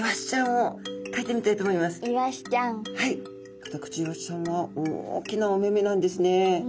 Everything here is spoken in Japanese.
カタクチイワシちゃんは大きなお目々なんですね。